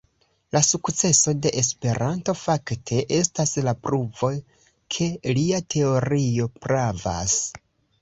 La sukceso de Esperanto fakte estas la pruvo, ke lia teorio pravas.